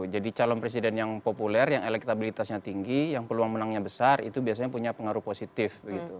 jadi calon presiden yang populer yang elektabilitasnya tinggi yang peluang menangnya besar itu biasanya punya pengaruh positif